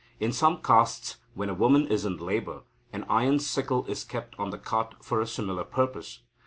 In some castes, when a woman is in labour, an iron sickle is kept on the cot for a similar purpose.